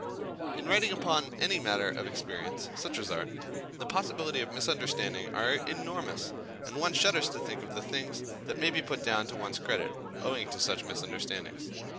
In writing upon any matter of experience, such as art, the possibilities of misunderstanding are enormous, and one shudders to think of the things that may be put down to one's credit, owing to such misunderstandings.